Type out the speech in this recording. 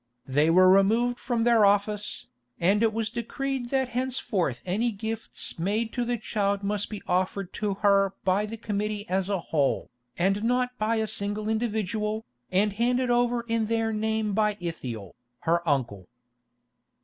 They were removed from their office, and it was decreed that henceforth any gifts made to the child must be offered to her by the committee as a whole, and not by a single individual, and handed over in their name by Ithiel, her uncle.